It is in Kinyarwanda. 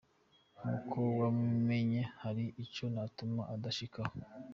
Nkuko wemengo hari ico notuma adashikako.